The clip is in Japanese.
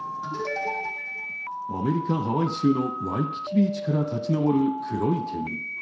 アメリカ・ハワイ州のワイキキビーチから立ち上る黒い煙。